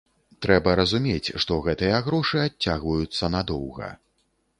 Трэба разумець, што гэтыя грошы адцягваюцца надоўга.